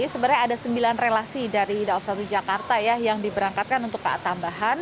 sebenarnya ada sembilan relasi dari daob satu jakarta ya yang diberangkatkan untuk ka tambahan